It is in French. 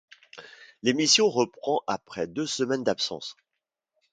L'émission reprend après deux semaines d'absence.